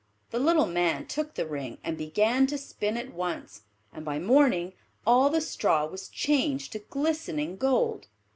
The little Man took the ring and began to spin at once, and by morning all the straw was changed to glistening gold.